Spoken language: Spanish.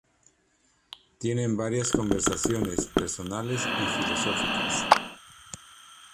Tienen varias conversaciones personales y filosóficas.